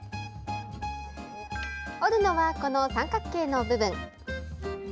折るのは、この三角形の部分。